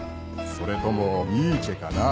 それともニーチェかな。